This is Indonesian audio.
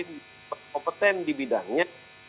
yang berkompeten di bidangnya